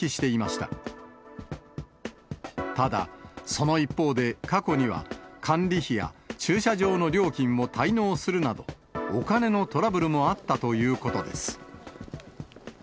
ただ、その一方で、過去には、管理費や駐車場の料金を滞納するなど、お金のトラブルもあったということです。